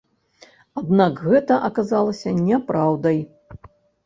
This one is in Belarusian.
Аднак гэта аказалася няпраўдай.